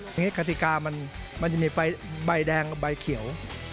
อย่างนี้กติกามันจะมีไฟใบแดงกับใบเขียว